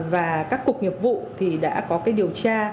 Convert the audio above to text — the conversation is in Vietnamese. và các cục nghiệp vụ thì đã có cái điều tra